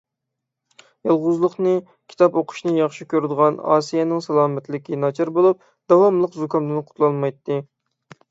يالغۇزلۇقنى، كىتاب ئوقۇشنى ياخشى كۆرىدىغان ئاسىيەنىڭ سالامەتلىكى ناچار بولۇپ، داۋاملىق زۇكامدىن قۇتۇلالمايتتى.